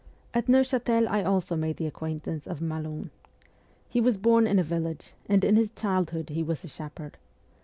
At Neuchatel I also made the acquaintance of Malon. He was born in a village, and in his childhood FIRST JOURNEY ABROAD 69 he was a shepherd.